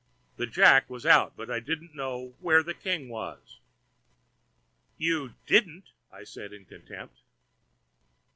The jack was out, but I didn't know where the king was—" "You didn't?" I said in contempt.